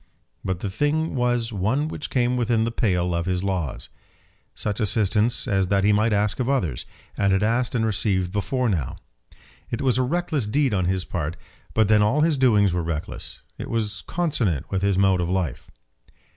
But the thing was one which came within the pale of his laws. Such assistance as that he might ask of others, and had asked and received before now. It was a reckless deed on his part, but then all his doings were reckless. It was consonant with his mode of life.